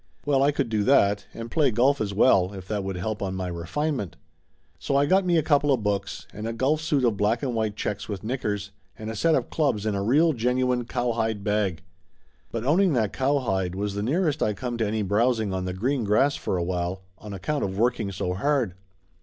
Well, I could do that, and play golf, as well, if that would help on my refinement. So I got me a coupla books and a golf suit of black and white checks with knickers, and a set of clubs in a real genuine cowhide bag. But owning that cowhide was the nearest I come to any browsing on the green grass for a while, on account of working so hard.